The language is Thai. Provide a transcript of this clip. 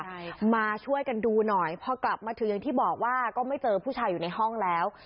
ใช่มาช่วยกันดูหน่อยพอกลับมาถึงอย่างที่บอกว่าก็ไม่เจอผู้ชายอยู่ในห้องแล้ว